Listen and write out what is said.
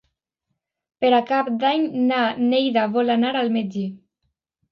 Per Cap d'Any na Neida vol anar al metge.